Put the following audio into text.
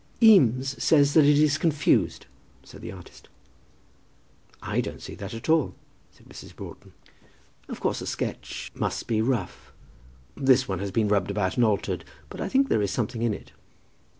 "Eames says that it is confused," said the artist. "I don't see that at all," said Mrs. Broughton. "Of course a sketch must be rough. This one has been rubbed about and altered, but I think there is something in it."